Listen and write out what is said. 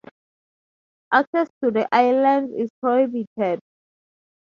Access to the islands is prohibited.